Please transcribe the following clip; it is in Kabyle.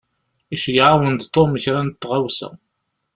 Iceyyeɛ-awen-d Tom kra n tɣawsa.